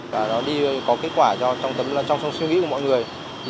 và có kết quả trong sống suy nghĩ của mọi người